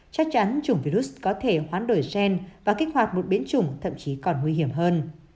chắc chắn chủng virus có thể hoán đổi gen và kích hoạt một biến chủng thậm chí còn nguy hiểm hơn